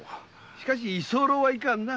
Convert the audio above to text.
しかし居候はいかんな。